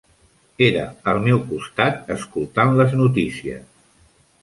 Era al meu costat escoltant les notícies.